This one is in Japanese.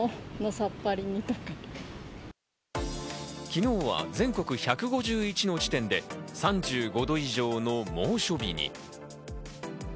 昨日は全国１５１の地点で３５度以上の猛暑日に。